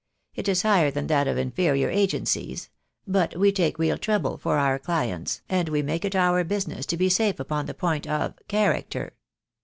It is higher than that of inferior agencies; but we take real trouble for our clients, and we make it our business to be safe upon the point of character.